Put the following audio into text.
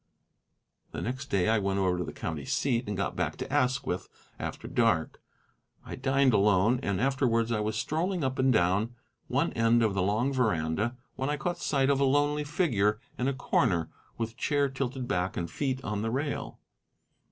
The next day I went over to the county seat, and got back to Asquith after dark. I dined alone, and afterwards I was strolling up and down one end of the long veranda when I caught sight of a lonely figure in a corner, with chair tilted back and feet on the rail.